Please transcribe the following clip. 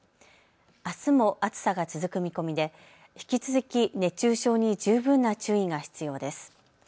あすも暑さが続く見込みで引き続き熱中症に十分な注意が必要です。